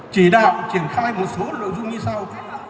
chỉ đạo triển khai một số lưu